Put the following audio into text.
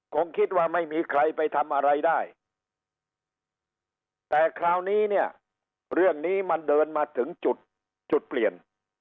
คงคิดว่าไม่มีใครไปทำอะไรได้แต่คราวนี้เนี่ยเรื่องนี้มันเดินมาถึงจุดจุดเปลี่ยน